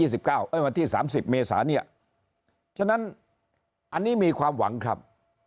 สามสิบเมษานี้ฉะนั้นอันนี้มีความหวังครับ